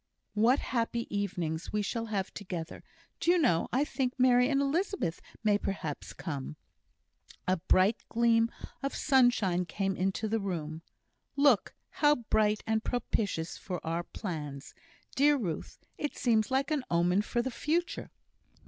"What happy evenings we shall have together! Do you know, I think Mary and Elizabeth may perhaps come." A bright gleam of sunshine came into the room. "Look! how bright and propitious for our plans. Dear Ruth, it seems like an omen for the future!"